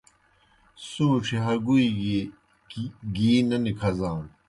سُوݩڇھیْ ہگُوئی گیْ گی نہ نکھزانوْ